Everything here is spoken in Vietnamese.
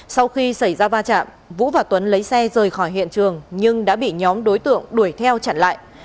sau khi xảy ra va chạm vũ và tuấn lấy xe rời khỏi hiện trường nhưng đã bị nhóm đối tượng đuổi theo chặn lại